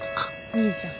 いいじゃん。